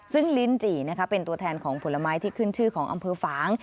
ซึ่งลิ้นจี่เป็นตัวแทนของผลไม้ที่ขึ้นชื่อของอำเภอฝาง